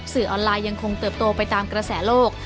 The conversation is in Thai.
ออนไลน์ยังคงเติบโตไปตามกระแสโลก